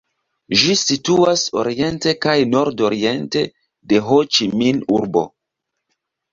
Ĝi situas oriente kaj nordoriente de Ho-Ĉi-Min-urbo.